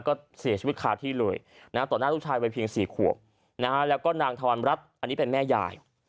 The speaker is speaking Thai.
ก็เสียชีวิตคาที่เลยต่อหน้าลูกชายวัยเพียง๔ขวบแล้วก็นางธวรรณรัฐอันนี้เป็นแม่ยาย